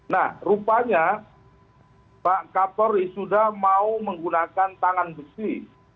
nah rupanya pak kapolri sudah mau menggunakan tangan besi